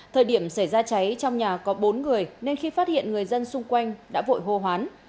thời điểm xảy ra cháy trong nhà có bốn người nên khi phát hiện người dân xung quanh đã vội hô hoán